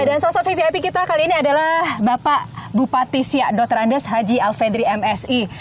dan sosok vvip kita kali ini adalah bapak bupati siak dr andes haji alfedri msi